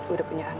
udah punya anak